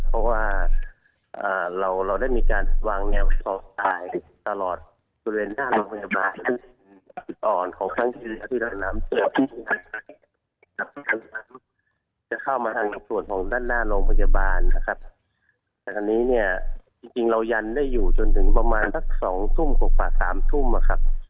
เพราะว่าเราได้มีการวางแงวสระ